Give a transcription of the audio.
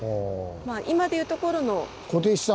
まあ今でいうところの。